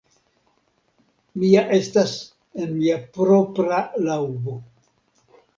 Mi ja estas en mia propra laŭbo.